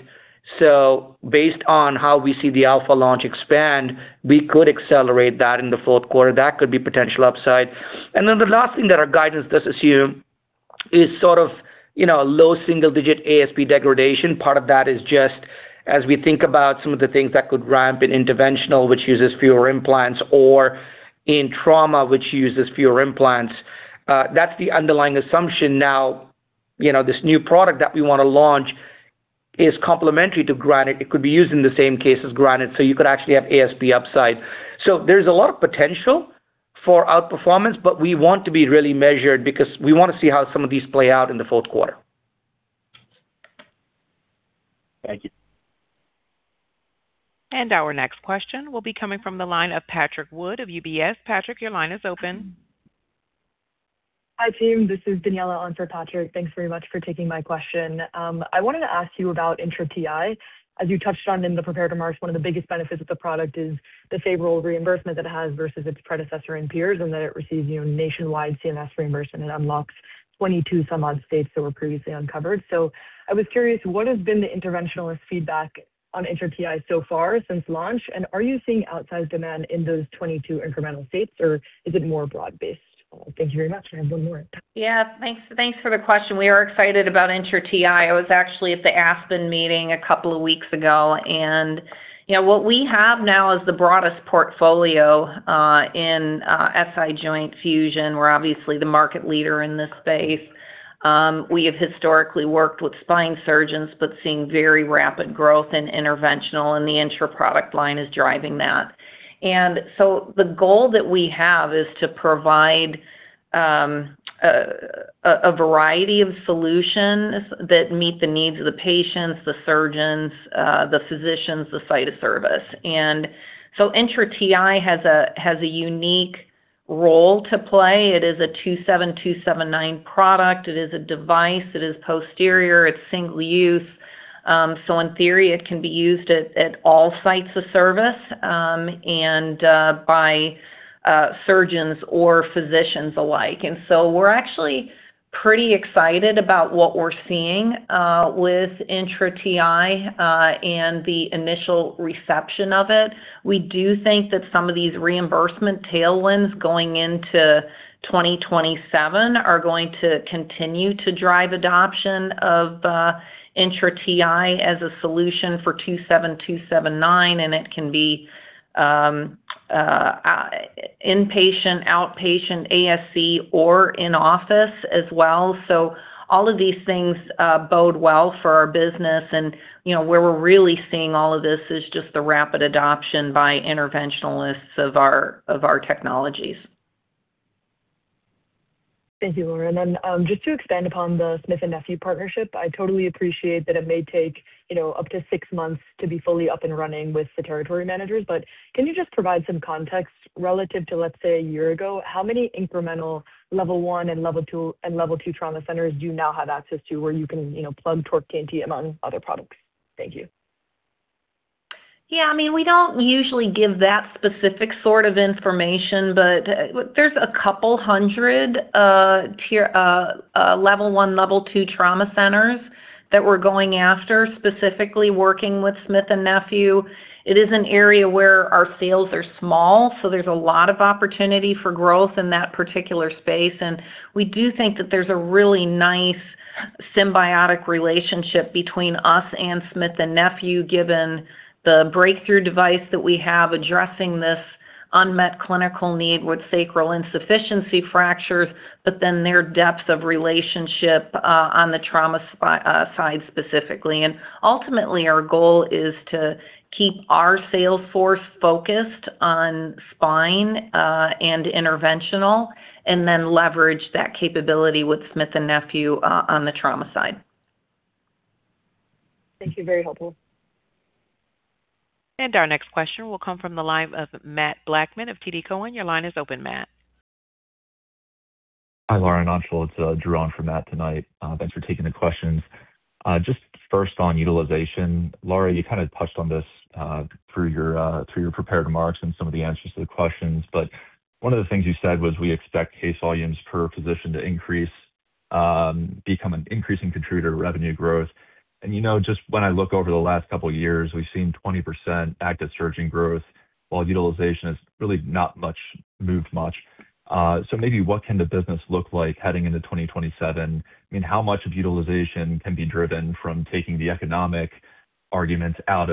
Based on how we see the alpha launch expand, we could accelerate that in the fourth quarter. That could be potential upside. The last thing that our guidance does assume is sort of low single-digit ASP degradation. Part of that is just as we think about some of the things that could ramp in interventional, which uses fewer implants, or in trauma, which uses fewer implants, that's the underlying assumption now. This new product that we want to launch is complementary to Granite. It could be used in the same case as Granite, you could actually have ASP upside. There's a lot of potential for outperformance, but we want to be really measured because we want to see how some of these play out in the fourth quarter. Thank you. Our next question will be coming from the line of Patrick Wood of UBS. Patrick, your line is open. Hi, team. This is Daniella on for Patrick. Thanks very much for taking my question. I wanted to ask you about Intra Ti. As you touched on in the prepared remarks, one of the biggest benefits of the product is the favorable reimbursement that it has versus its predecessor and peers, and that it receives nationwide CMS reimbursement and unlocks 22 some odd states that were previously uncovered. I was curious, what has been the interventionalist feedback on Intra Ti so far since launch, and are you seeing outsized demand in those 22 incremental states, or is it more broad based? Thank you very much. I have one more. Thanks for the question. We are excited about iFuse INTRA Ti. I was actually at the Aspen meeting a couple of weeks ago. What we have now is the broadest portfolio in SI joint fusion. We're obviously the market leader in this space. We have historically worked with spine surgeons, but seeing very rapid growth in interventional. The iFuse INTRA product line is driving that. The goal that we have is to provide a variety of solutions that meet the needs of the patients, the surgeons, the physicians, the site of service. iFuse INTRA Ti has a unique role to play. It is a 27279 product. It is a device. It is posterior. It's single use. In theory, it can be used at all sites of service, and by surgeons or physicians alike. We're actually pretty excited about what we're seeing with iFuse INTRA Ti, and the initial reception of it. We do think that some of these reimbursement tailwinds going into 2027 are going to continue to drive adoption of iFuse INTRA Ti as a solution for 27279, and it can be inpatient, outpatient, ASC, or in office as well. All of these things bode well for our business, and where we're really seeing all of this is just the rapid adoption by interventionalists of our technologies. Thank you, Laura. Just to expand upon the Smith+Nephew partnership, I totally appreciate that it may take up to six months to be fully up and running with the territory managers, but can you just provide some context relative to, let's say, a year ago? How many incremental level 1 and level 2 trauma centers do you now have access to where you can plug iFuse TORQ TNT among other products? Thank you. I mean, we don't usually give that specific sort of information, but there's a couple hundred level one, level two trauma centers that we're going after, specifically working with Smith+Nephew. It is an area where our sales are small, so there's a lot of opportunity for growth in that particular space, and we do think that there's a really nice symbiotic relationship between us and Smith+Nephew, given the breakthrough device that we have addressing this unmet clinical need with sacral insufficiency fractures, but their depth of relationship on the trauma side specifically. Ultimately, our goal is to keep our sales force focused on spine and interventional, and then leverage that capability with Smith+Nephew on the trauma side. Thank you. Very helpful. Our next question will come from the line of Matt Blackman of TD Cowen. Your line is open, Matt. Hi, Laura and Anshul. It's Drew on for Matt tonight. Thanks for taking the questions. First on utilization, Laura, you kind of touched on this through your prepared remarks and some of the answers to the questions, but one of the things you said was we expect case volumes per physician to become an increasing contributor to revenue growth. When I look over the last couple of years, we've seen 20% active surgeon growth while utilization has really not moved much. Maybe what can the business look like heading into 2027? I mean, how much of utilization can be driven from taking the economic arguments off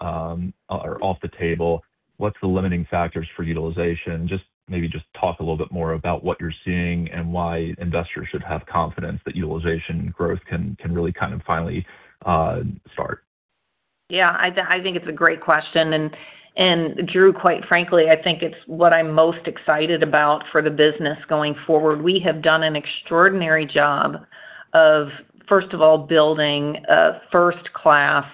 the table? What's the limiting factors for utilization? Maybe just talk a little bit more about what you're seeing and why investors should have confidence that utilization growth can really kind of finally start. Yeah, I think it's a great question. Drew, quite frankly, I think it's what I'm most excited about for the business going forward. We have done an extraordinary job of, first of all, building a first-class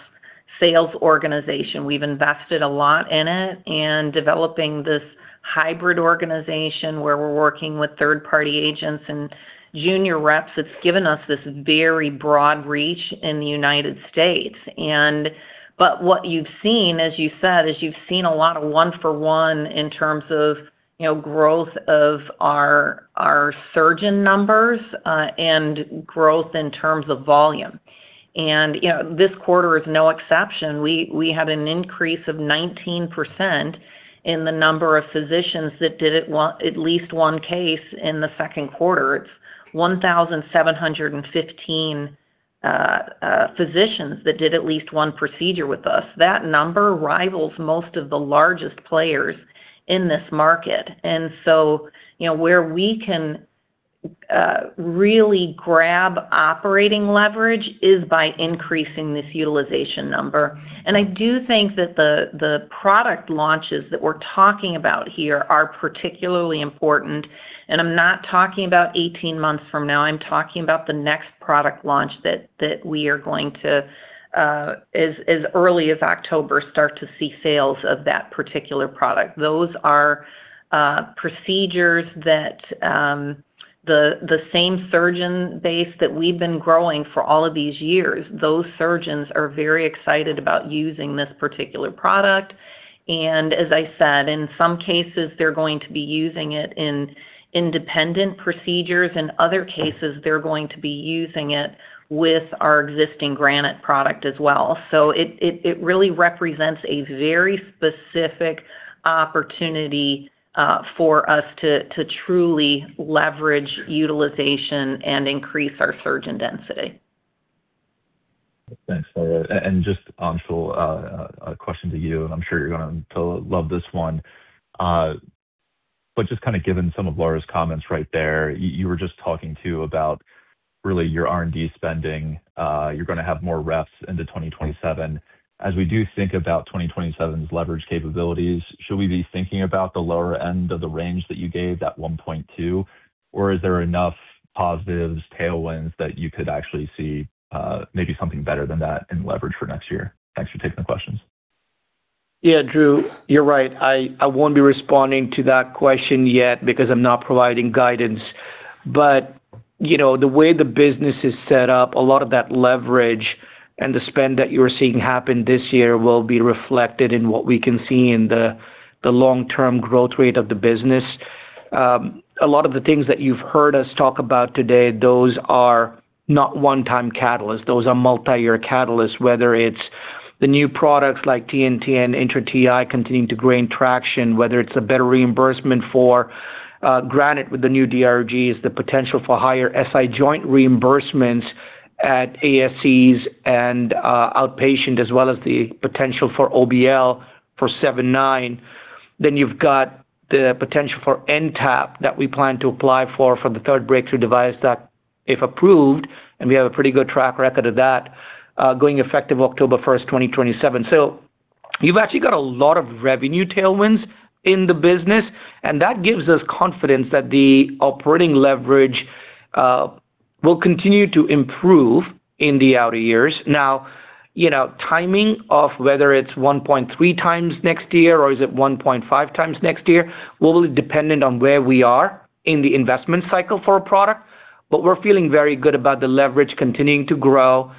sales organization. We've invested a lot in it and developing this hybrid organization where we're working with third-party agents and junior reps. It's given us this very broad reach in the United States. What you've seen, as you said, is you've seen a lot of one for one in terms of growth of our surgeon numbers and growth in terms of volume. This quarter is no exception. We had an increase of 19% in the number of physicians that did at least one case in the second quarter. It's 1,715 physicians that did at least one procedure with us. That number rivals most of the largest players in this market. Where we can really grab operating leverage is by increasing this utilization number. I do think that the product launches that we're talking about here are particularly important. I'm not talking about 18 months from now. I'm talking about the next product launch that we are going to, as early as October, start to see sales of that particular product. Those are procedures that the same surgeon base that we've been growing for all of these years, those surgeons are very excited about using this particular product. As I said, in some cases, they're going to be using it in independent procedures. In other cases, they're going to be using it with our existing Granite product as well. It really represents a very specific opportunity for us to truly leverage utilization and increase our surgeon density. Thanks, Laura. Just, Anshul, a question to you, and I'm sure you're going to love this one. Just kind of given some of Laura's comments right there, you were just talking too about really your R&D spending. You're going to have more reps into 2027. As we do think about 2027's leverage capabilities, should we be thinking about the lower end of the range that you gave, that 1.2x? Is there enough positives, tailwinds, that you could actually see maybe something better than that in leverage for next year? Thanks for taking the questions. Yeah, Drew, you're right. I won't be responding to that question yet because I'm not providing guidance. The way the business is set up, a lot of that leverage and the spend that you're seeing happen this year will be reflected in what we can see in the long-term growth rate of the business. A lot of the things that you've heard us talk about today, those are not one-time catalysts. Those are multi-year catalysts, whether it's the new products like TNT and INTRA Ti continuing to gain traction, whether it's a better reimbursement for Granite with the new DRGs, the potential for higher SI joint reimbursements at ASCs and outpatient, as well as the potential for OBL for 7.9%. You've got the potential for NTAP that we plan to apply for the third breakthrough device that if approved, and we have a pretty good track record of that, going effective October 1st, 2027. You've actually got a lot of revenue tailwinds in the business, and that gives us confidence that the operating leverage will continue to improve in the outer years. Now, timing of whether it's 1.3x next year or is it 1.5x next year will be dependent on where we are in the investment cycle for a product. We're feeling very good about the leverage continuing to grow,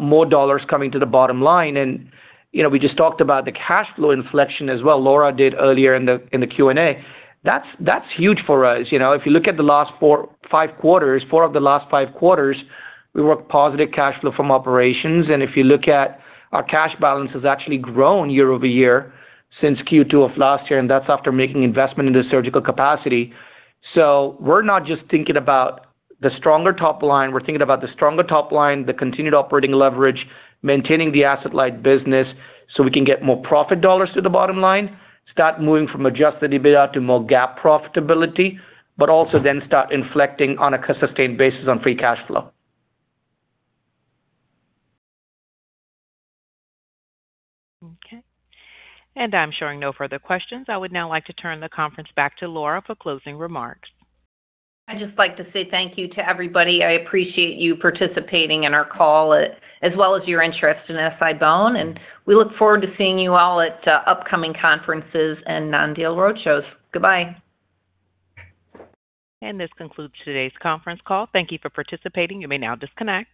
more dollars coming to the bottom line, and we just talked about the cash flow inflection as well, Laura did earlier in the Q&A. That's huge for us. If you look at the last four, five quarters, four of the last five quarters, we were positive cash flow from operations. If you look at our cash balance has actually grown year-over-year since Q2 of last year, and that's after making investment in the surgical capacity. We're not just thinking about the stronger top line. We're thinking about the stronger top line, the continued operating leverage, maintaining the asset-light business so we can get more profit dollars to the bottom line, start moving from adjusted EBITDA to more GAAP profitability, but also then start inflecting on a sustained basis on free cash flow. Okay. I'm showing no further questions. I would now like to turn the conference back to Laura for closing remarks. I'd just like to say thank you to everybody. I appreciate you participating in our call, as well as your interest in SI-BONE, and we look forward to seeing you all at upcoming conferences and non-deal roadshows. Goodbye. This concludes today's conference call. Thank you for participating. You may now disconnect.